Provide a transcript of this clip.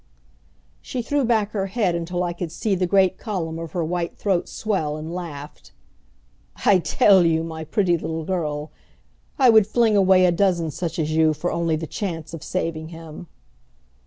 She threw back her head until I could see the great column of her white throat swell, and laughed. "I tell you, my pretty little girl, I would fling away a dozen such as you for only the chance of saving him!"